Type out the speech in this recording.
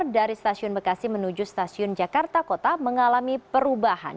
dari stasiun bekasi menuju stasiun jakarta kota mengalami perubahan